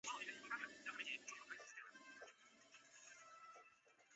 朱尼珀高地是位于美国亚利桑那州亚瓦派县的一个非建制地区。